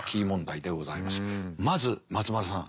まず松丸さん。